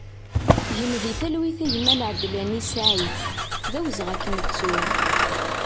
Gen di talwit a gma Laadlani Saïd, d awezɣi ad k-nettu!